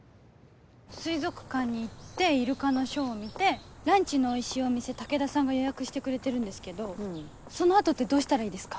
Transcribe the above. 水族館に行ってイルカのショーを見てランチのおいしいお店武田さんが予約してくれてるんですけどその後ってどうしたらいいですか？